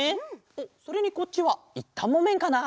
おっそれにこっちはいったんもめんかな？